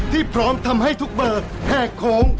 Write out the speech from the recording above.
ที่พร้อมทำให้ทุกเบอร์แหกโค้ง